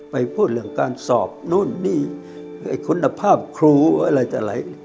พูดเรื่องการสอบนู่นนี่คุณภาพครูอะไรต่ออะไร